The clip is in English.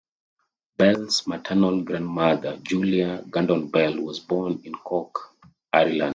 Bell's maternal grandmother, Julia Gandon Bell, was born in Cork, Ireland.